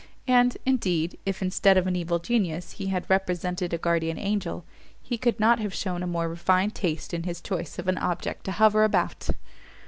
And, indeed, if instead of an evil genius, he had represented a guardian angel, he could not have shewn a more refined taste in his choice of an object to hover about."